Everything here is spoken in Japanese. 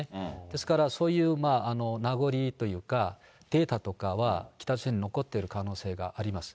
ですからそういう名残というか、データとかは、北朝鮮に残ってる可能性があります。